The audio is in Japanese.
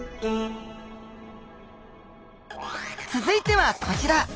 続いてはこちら。